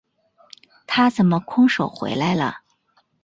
他怎么空手回来了？